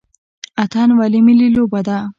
اتن ولې ملي لوبه ده؟